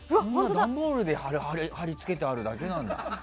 段ボールで貼りつけてあるだけなんだ。